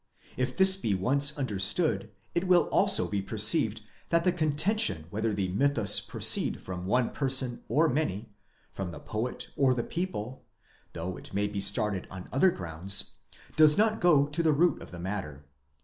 If this be once understood, it will also be perceived that the contention whether the mythus proceed from one person or many, from the poet or the people, though it may be started on other grounds, does not goto the root of the matter.